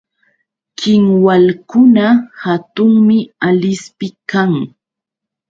Kinwalkuna hatunmi Alispi kan.